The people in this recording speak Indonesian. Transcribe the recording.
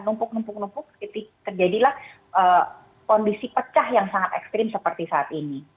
numpuk numpuk numpuk terjadilah kondisi pecah yang sangat ekstrim seperti saat ini